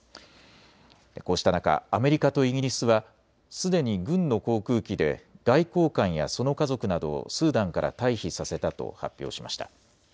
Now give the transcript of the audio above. こうした中、アメリカとイギリスはすでに軍の航空機で外交官やその家族などをスーダンから退避させたと発表しました。